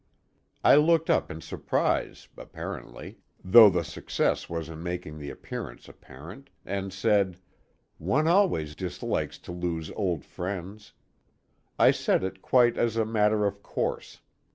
I looked up in surprise (apparently) though the success was in making the appearance apparent and said: "One always dislikes to lose old friends." I said it quite as a matter of course.